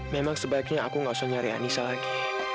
memang sebaiknya aku gak usah nyari anissa lagi